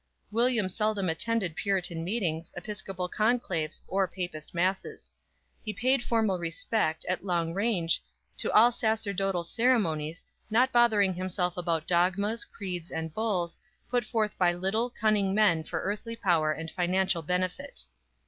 William seldom attended Puritan meetings, Episcopal conclaves, or Papist masses. He paid formal respect, at long range, to all sacerdotal ceremonies, not bothering himself about dogmas, creeds and bulls, put forth by little, cunning man for earthly power and financial benefit.